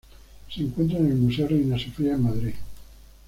Se encuentra en el Museo Reina Sofía en Madrid.